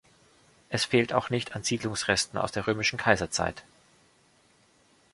Es fehlt auch nicht an Siedlungsresten aus der römischen Kaiserzeit.